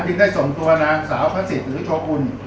ได้ส่งตัวนางสาวพระศิษย์หรือโชกุล